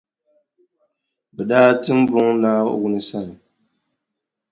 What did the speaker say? Bɛ daa tim buŋa Naawuni sani.